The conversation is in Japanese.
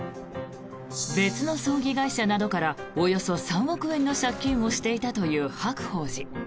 別の葬儀会社などからおよそ３億円の借金をしていたという白鳳寺。